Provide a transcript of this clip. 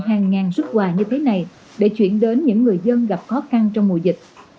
hàng ngàn xuất quà như thế này để chuyển đến những người dân gặp khó khăn trong mùa dịch